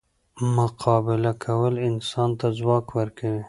مقابله کول انسان ته ځواک ورکوي.